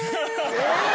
えっ